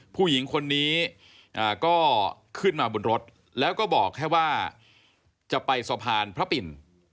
ผู้หญิงคนนี้ก็ขึ้นมาบนรถแล้วก็บอกแค่ว่าจะไปสะพานพระปิ่น